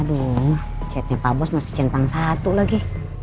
aduh chatnya pak bos masih centang satu lagi